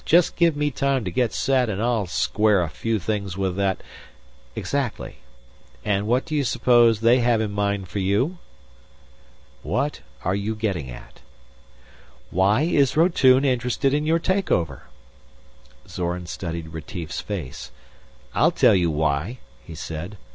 Just give me time to get set, and I'll square a few things with that " "Exactly. And what do you suppose they have in mind for you?" "What are you getting at?" "Why is Rotune interested in your take over?" Zorn studied Retief's face. "I'll tell you why," he said.